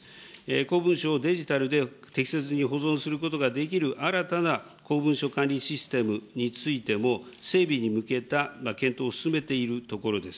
公文書をデジタルで適切に保存することができる新たな公文書管理システムについても整備に向けた検討を進めているところです。